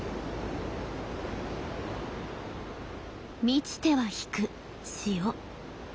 満ちては引く潮。